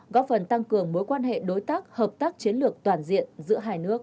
góp phần tăng cường mối quan hệ đối tác hợp tác chiến lược toàn diện giữa hai nước